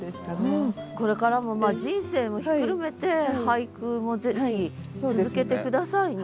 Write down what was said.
これからも人生もひっくるめて俳句もぜひ続けて下さいね。